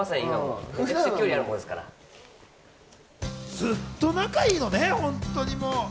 ずっと仲いいのね、本当に。